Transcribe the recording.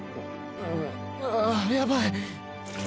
やばい。